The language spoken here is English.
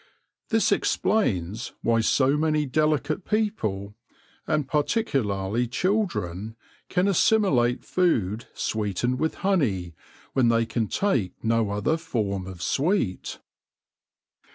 This explains why so many delicate people, and particularly children, can assimilate food sweetened with honey, when they can take no other form of sweet.